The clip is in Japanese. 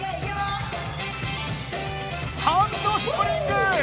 ハンドスプリング！